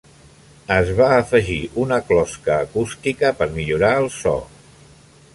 Es va afegir una closca acústica per millorar el so.